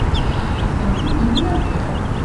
Ad tent-id-yemmager?